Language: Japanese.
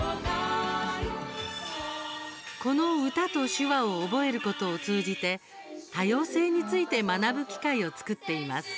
この歌と手話を覚えることを通じて多様性について学ぶ機会を作っています。